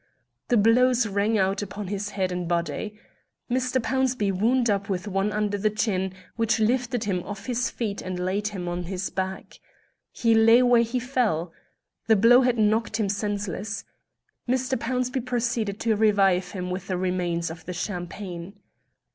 The blows rang out upon his head and body. Mr. Pownceby wound up with one under the chin which lifted him off his feet and laid him on his back. He lay where he fell. The blow had knocked him senseless. Mr. Pownceby proceeded to revive him with the remains of the champagne.